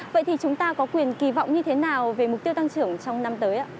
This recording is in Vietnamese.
vậy thì chúng ta có quyền kỳ vọng như thế nào về mục tiêu tăng trưởng trong năm tới ạ